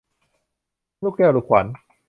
ลูกแก้วลูกขวัญ